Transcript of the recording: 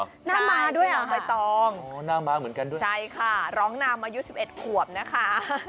น้องใบตองใช่ค่ะร้องนำมายุ๑๑ขวบนะคะ